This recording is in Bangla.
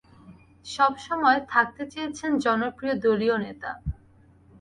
সব সময় থাকতে চেয়েছেন জনপ্রিয় দলীয় নেতা।